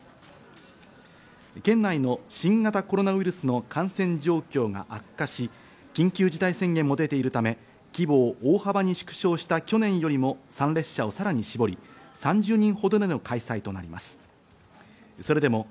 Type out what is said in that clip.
県内の新型コロナウイルスの感染状況が悪化し、緊急事態宣言も出ているため規模を大幅に縮小した去年よりも参列者をさらに絞り、３０人ほどでの開催となります。